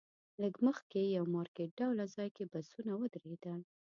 لږ مخکې یو مارکیټ ډوله ځای کې بسونه ودرېدل.